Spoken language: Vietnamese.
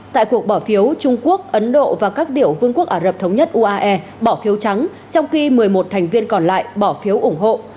tại cuộc bỏ phiếu trung quốc ấn độ và các tiểu vương quốc ả rập thống nhất uae bỏ phiếu trắng trong khi một mươi một thành viên còn lại bỏ phiếu ủng hộ